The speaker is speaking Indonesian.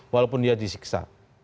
walaupun dia disiksa